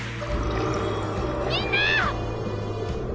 みんな！